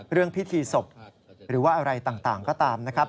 พิธีศพหรือว่าอะไรต่างก็ตามนะครับ